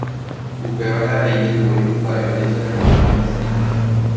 upévare avei ndaipóri kuimba'e ojesareko'ỹva hese.